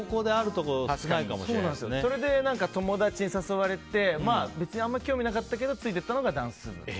それで友達に誘われてあんまり興味なかったけどついていったのがダンス部。